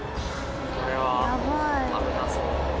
これは危なそう。